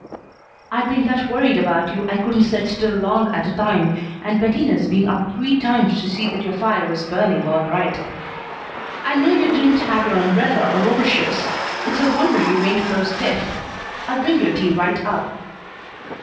"I've been that worried about you I couldn't set still long at a time, and Bettina's been up three times to see that your fire was burning all right. I knew you didn't have your umbrella or overshoes. It's a wonder you ain't froze stiff. I'll bring your tea right up."